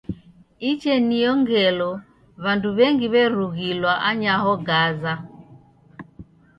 Icheniyo ngelo w'andu w'engi w'erughilwa anyaho Gaza.